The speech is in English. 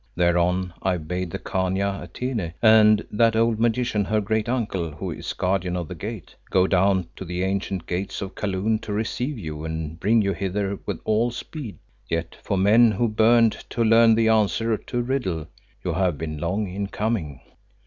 Thereon I bade the Khania Atene, and that old magician her great uncle, who is Guardian of the Gate, go down to the ancient gates of Kaloon to receive you and bring you hither with all speed. Yet for men who burned to learn the answer to a riddle, you have been long in coming."